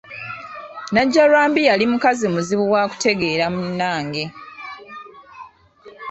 Najjalwambi yali mukazi muzibu wakutegeera munnange.